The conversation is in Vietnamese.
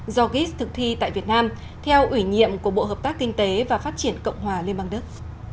do gis thực thi tại việt nam theo ủy nhiệm của bộ hợp tác kinh tế và phát triển cộng hòa liên bang đức